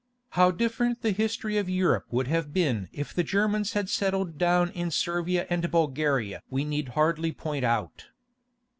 How different the history of Europe would have been if the Germans had settled down in Servia and Bulgaria we need hardly point out.